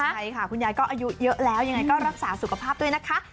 ใช่ค่ะคุณยายก็อายุเยอะแล้วยังไงก็รักษาสุขภาพด้วยนะคะ